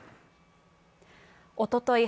おととい